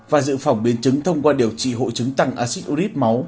và dự phòng biến chứng thông qua điều trị hội chứng tăng acid urid máu